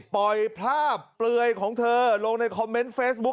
ปล่อยภาพเปลือยของเธอลงในคอมเมนต์เฟซบุ๊ค